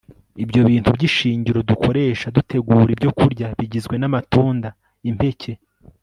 ibyo bintu by'ishingiro dukoresha dutegura ibyokurya bigizwe n'amatunda, impeke